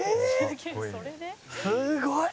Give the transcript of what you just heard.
すごい！